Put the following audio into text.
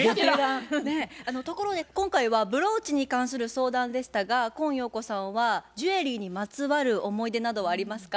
ところで今回はブローチに関する相談でしたが今陽子さんはジュエリーにまつわる思い出などはありますか？